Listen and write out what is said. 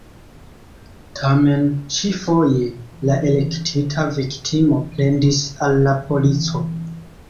Tamen, ĉi-foje, la elektita viktimo plendis al la polico.